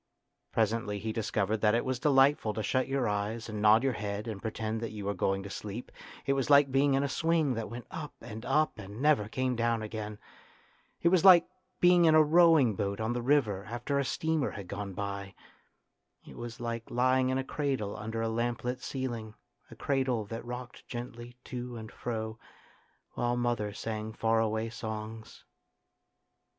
Presently he dis covered that it was delightful to shut your eyes and nod your head and pretend that you were going to sleep ; it was like being in a swing that went up and up and never came down again. It was like being in a rowing boat on the river after a steamer had gone by. It was like lying in a cradle under a lamplit ceiling, a cradle that rocked gently to and fro while mother sang far away songs.